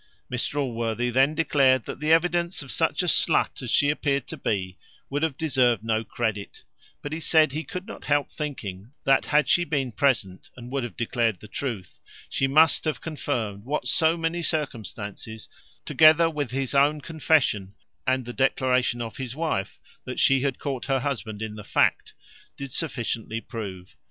Mr Allworthy then declared that the evidence of such a slut as she appeared to be would have deserved no credit; but he said he could not help thinking that, had she been present, and would have declared the truth, she must have confirmed what so many circumstances, together with his own confession, and the declaration of his wife that she had caught her husband in the fact, did sufficiently prove.